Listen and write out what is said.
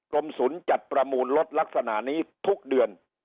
ศูนย์จัดประมูลรถลักษณะนี้ทุกเดือน